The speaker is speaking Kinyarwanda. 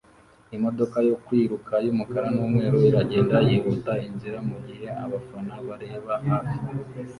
Imodoka yo kwiruka yumukara numweru iragenda yihuta inzira mugihe abafana bareba hafi